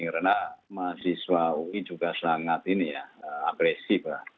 karena mahasiswa ui juga sangat ini ya agresif